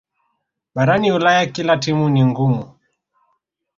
barani ulaya kila timu ni ngumu